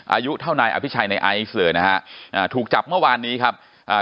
อายุเท่านายอภิชัยในไอซ์เลยนะฮะอ่าถูกจับเมื่อวานนี้ครับอ่า